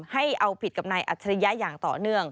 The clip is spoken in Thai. ให้เอาผิดกับนายอัจฉริยะอย่างต่อเนื่อง